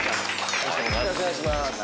よろしくお願いします。